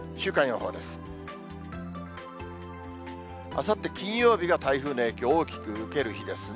あさって金曜日が台風の影響、大きく受ける日ですね。